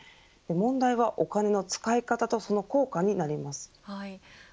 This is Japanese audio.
問題は、お金の使い方とその効果になります。